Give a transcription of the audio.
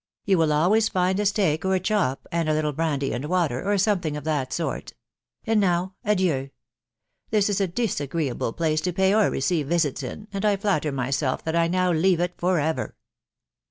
..• You will always find a steak or a chop, and a little brandy and water, or something of that sort. •.. And now adieu !•... This is a disagreeable place to pay or receive visits in> and I Batter myself that I now leave it fox croc.